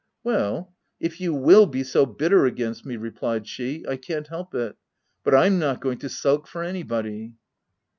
(t Well, if you will be so bitter against me," replied she, H I can't help it ;— but I'm not going to sulk for anybody."